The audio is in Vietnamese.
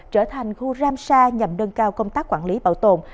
trở thành khu rám xa nhằm nâng cao công tác quản lý bảo tồn